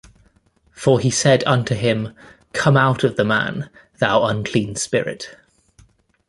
For he said unto him, Come out of the man, thou unclean spirit.